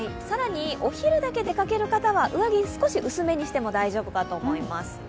更にお昼だけ出かける方は上着、少し薄めにしても大丈夫かと思います。